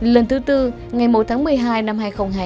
lần thứ bốn ngày một tháng một mươi hai năm hai nghìn hai mươi hai